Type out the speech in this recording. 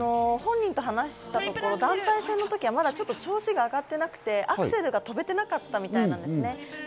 本人と話したところ、団体戦の時はまだ調子が上がっていなくて、アクセルが飛べていなかったみたいなんですね。